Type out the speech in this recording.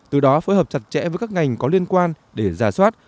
từ đó phối hợp chặt chẽ với các ngành có liên quan để giả soát